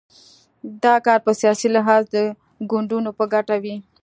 دا کار په سیاسي لحاظ د ګوندونو په ګټه وي.